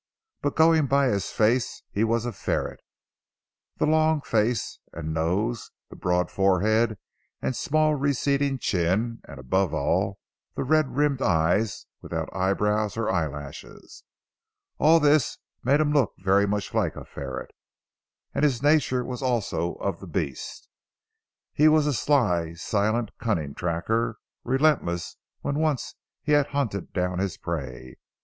But going by his face he was a ferret. The long face and nose, the broad forehead and small receding chin, and above all the red rimmed eyes without eyebrows or eyelashes. All this made him look very much like a ferret. And his nature was also of the beast. He was a sly, silent, cunning tracker, relentless when once he had hunted down his prey.